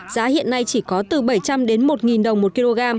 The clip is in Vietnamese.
giá hiện nay chỉ có từ bảy trăm linh đến một đồng một kg